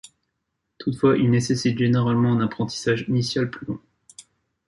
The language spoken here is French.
Toutefois, ils nécessitent généralement un apprentissage initial plus long.